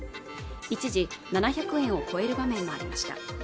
一時７００円を超える場面もありました